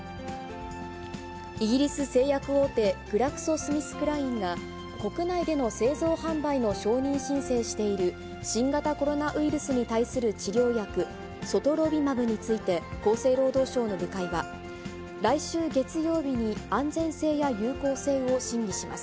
イギリス製薬大手、グラクソ・スミスクラインが国内での製造販売の承認申請している、新型コロナウイルスに対する治療薬、ソトロビマブについて厚生労働省の部会は、来週月曜日に安全性や有効性を審議します。